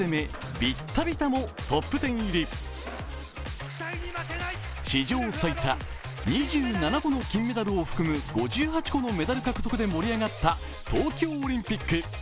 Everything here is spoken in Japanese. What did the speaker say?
ビッタビタもトップテン入り史上最多、２７個の金メダルを含む５８個のメダル獲得で盛り上がった東京オリンピック。